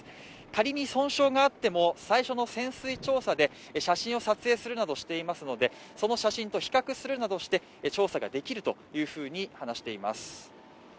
仮に損傷があっても最初の潜水調査で写真撮影するなどしていますのでその写真と比較するなどして調査ができると話しています。